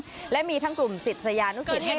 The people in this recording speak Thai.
พระบุว่าจะมารับคนให้เดินทางเข้าไปในวัดพระธรรมกาลนะคะ